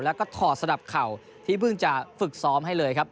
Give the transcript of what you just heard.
แล้วก็ถอดสนับเข่าที่เพิ่งจะฝึกซ้อมให้เลยครับ